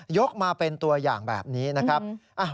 กมาเป็นตัวอย่างแบบนี้นะครับ